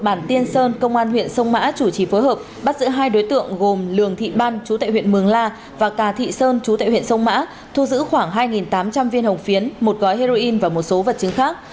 mở rộng điều tra công an huyện sông mã đã bắt giữ hai đối tượng gồm lường thị ban chú tệ huyện mường la và cà thị sơn chú tệ huyện sông mã thu giữ khoảng hai tám trăm linh viên hồng phiến một gói heroin và một số vật chứng khác